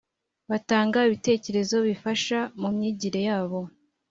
batanga ibitekerezo bifasha mumyigire yabo